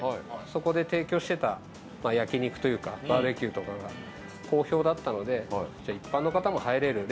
そこで提供してた焼肉というかバーベキューとかが好評だったのでじゃあ一般の方も入れるレストラン作っ